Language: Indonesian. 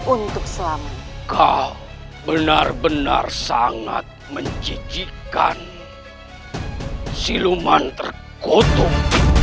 untuk selama kau benar benar sangat mencicikan siluman terkutuk